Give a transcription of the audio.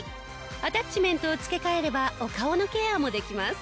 アタッチメントを付け替えればお顔のケアもできます。